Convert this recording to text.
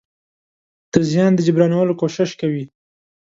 د زيان د جبرانولو کوشش کوي.